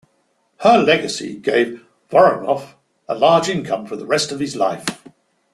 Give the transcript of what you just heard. Her legacy gave Voronoff a large income for the rest of his life.